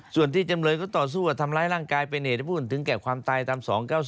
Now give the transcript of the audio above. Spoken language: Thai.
ส่วนที่จำเลยก็ต่อสู้กับทำร้ายร่างกายเป็นเหตุให้ผู้อื่นถึงแก่ความตายตาม๒๙๓